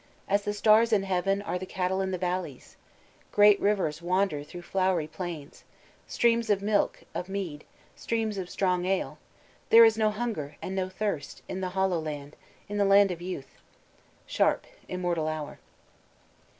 As the stars in heaven Are the cattle in the valleys. "Great rivers wander Through flowery plains. Streams of milk, of mead, Streams of strong ale. "There is no hunger And no thirst In the Hollow Land, In the Land of Youth." SHARP: _Immortal Hour.